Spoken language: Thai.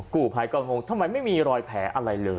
กู้ภัยก็งงทำไมไม่มีรอยแผลอะไรเลย